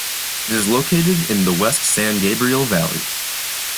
It is located in the West San Gabriel Valley.